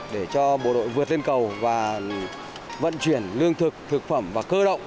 để cho bộ đội vượt lên cầu và vận chuyển lương thực thực phẩm và cơ động